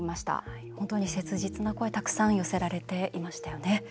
本当に切実な声たくさん寄せられていましたよね。